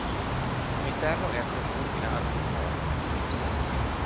L'interno è a croce latina ad unica navata.